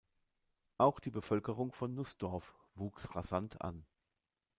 Auch die Bevölkerung von Nussdorf wuchs rasant an.